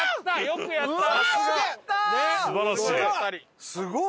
よくやった！